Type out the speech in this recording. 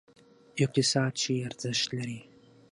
یو اقتصاد چې ارزښت لري.